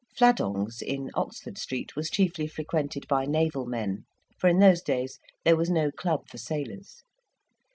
Fladong's, in Oxford Street, was chiefly frequented by naval men; for in those days there was no club for sailors.